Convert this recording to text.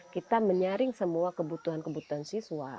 kita menyaring semua kebutuhan kebutuhan siswa